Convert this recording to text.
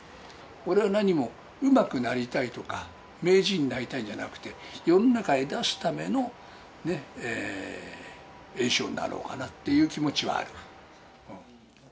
俺は何もうまくなりたいとか、名人になりたいんじゃなくて、世の中へ出すための圓生になろうかなっていう気持ちはある。